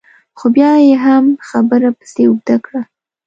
خو بیا به یې هم خبره پسې اوږده کړه.